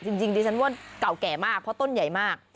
จริงดิฉันว่าเก่าแก่มากเพราะต้นใหญ่มาก